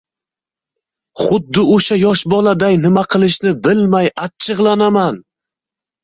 xuddi oʻsha yosh boladay nima qilishni bilmay achchigʻlanaman.